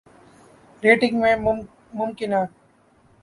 rating میں ممکنہ